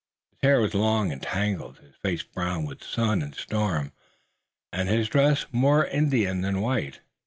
His hair was long and tangled, his face brown with sun and storm, and his dress more Indian than white.